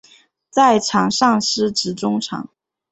在场上司职中场。